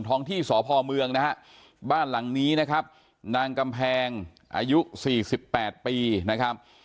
ท้องที่สพเมืองนะฮะบ้านหลังนี้นะครับนางกำแพงอายุ๔๘ปีนะครับ